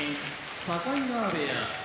境川部屋